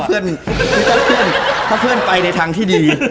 บ๊วยถ้าเพื่อนไปในทางที่ดี